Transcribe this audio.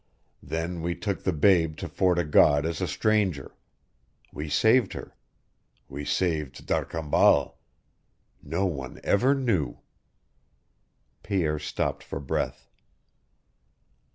Then we took the babe to Fort o' God as a stranger. We saved her. We saved D'Arcambal. No one ever knew." Pierre stopped for breath.